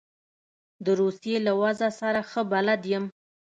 د روسیې له وضع سره ښه بلد یم.